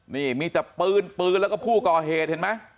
นี่มีแต่ปืนปืนแล้วก็ผู้ก่อเหตุเห็นไหม